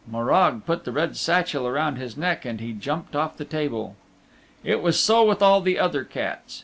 Morag put the red satchel around his neck and he jumped off the table. It was so with all the other cats.